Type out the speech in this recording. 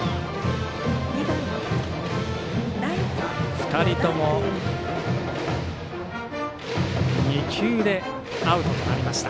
２人とも２球でアウトとなりました。